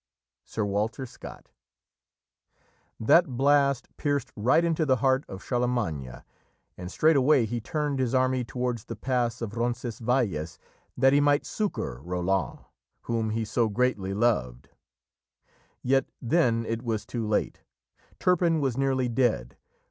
Sir Walter Scott. [Illustration: ROLAND SEIZED ONCE MORE HIS HORN] That blast pierced right into the heart of Charlemagne, and straightway he turned his army towards the pass of Roncesvalles that he might succour Roland, whom he so greatly loved. Yet then it was too late. Turpin was nearly dead.